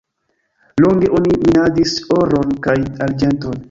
Longe oni minadis oron kaj arĝenton.